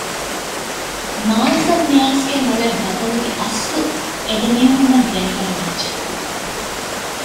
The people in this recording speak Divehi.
މާޒްއަށް މި އައިސްގެން އުޅޭ ބަދަލުގެ އަސްލު އެދެމީހުންނަށް ދެނެގަނެވިއްޖެ